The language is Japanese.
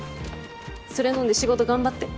それ飲んで仕事頑張って。